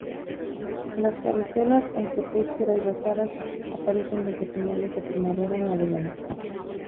Las cabezuelas, entre púrpura y rosadas, aparecen desde finales de primavera en adelante.